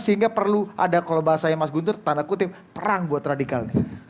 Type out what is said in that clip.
sehingga perlu ada kalau bahasanya mas guntur tanda kutip perang buat radikal